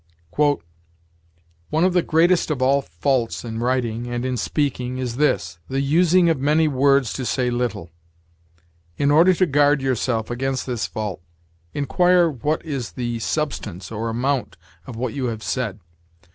"One of the greatest of all faults in writing and in speaking is this: the using of many words to say little. In order to guard yourself against this fault, inquire what is the substance, or amount, of what you have said.